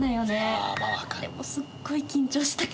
でもすっごい緊張したけど。